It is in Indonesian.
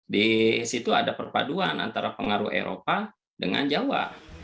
di situ ada perpaduan antara pengaruh eropa dengan jawa